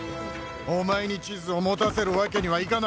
お前に地図を持たせるわけにはいかない。